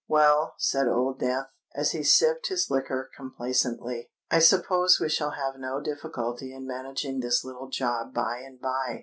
"Well," said Old Death, as he sipped his liquor complacently, "I suppose we shall have no difficulty in managing this little job by and by?